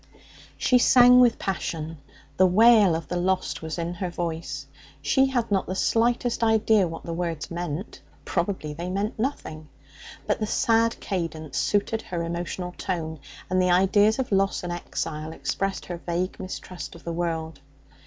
She sang with passion. The wail of the lost was in her voice. She had not the slightest idea what the words meant (probably they meant nothing), but the sad cadence suited her emotional tone, and the ideas of loss and exile expressed her vague mistrust of the world.